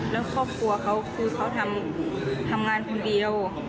แล้วครอบครัวเขาคือเขาทำงานคนเดียว